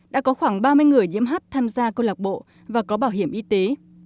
đã có khoảng ba mươi người nhiễm hivs tham gia công lọc bộ và có bảo hiểm y tế